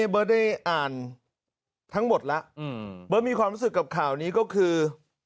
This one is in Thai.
เบิร์ตได้อ่านทั้งหมดแล้วเบิร์ตมีความรู้สึกกับข่าวนี้ก็คือ